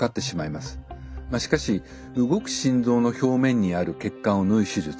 まあしかし動く心臓の表面にある血管を縫う手術。